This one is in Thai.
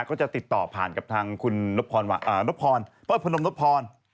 ก็จะติดต่อผ่านกับทางคุณนพรพนมนพพร